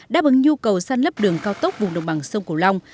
đáp ứng nhu cầu săn lấp đường cao tốc vùng đồng bằng sông cổ long